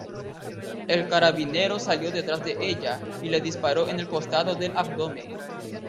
El carabinero salió detrás de ella y le disparó en el costado del abdomen.